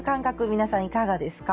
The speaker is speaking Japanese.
皆さんいかがですか？